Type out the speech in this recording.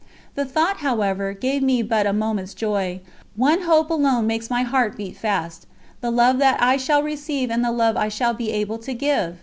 The thought, however, gave me but a moment's joy one hope alone makes my heart beat fast: the Love that I shall receive and the Love I shall be able to give!